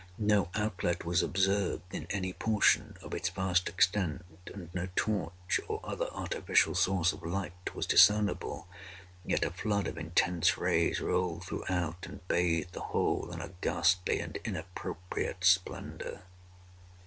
No outlet was observed in any portion of its vast extent, and no torch, or other artificial source of light was discernible; yet a flood of intense rays rolled throughout, and bathed the whole in a ghastly and inappropriate splendor.